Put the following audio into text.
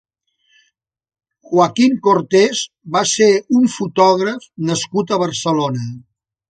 Joaquín Cortés va ser un fotògraf nascut a Barcelona.